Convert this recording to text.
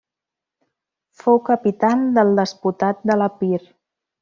Fou capital del despotat de l'Epir.